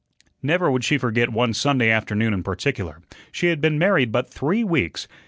Never would she forget one Sunday afternoon in particular. She had been married but three weeks.